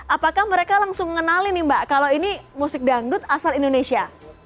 apakah mereka langsung mengenali nih mbak kalau ini musik dangdut asal indonesia